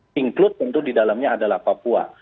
sinclude tentu di dalamnya adalah papua